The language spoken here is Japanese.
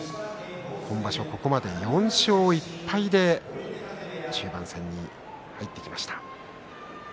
今場所は、ここまで４勝１敗中盤戦に入ってきました。